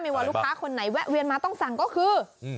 ว่าลูกค้าคนไหนแวะเวียนมาต้องสั่งก็คือ